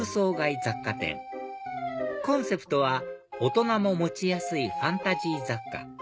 雑貨店コンセプトは大人も持ちやすいファンタジー雑貨